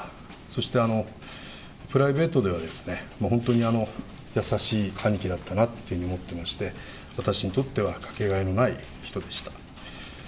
そしてプライベートでは、本当に優しい兄貴だったなって思ってまして、私にとっては掛けがえのない人でした。